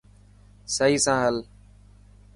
سهي سان هل.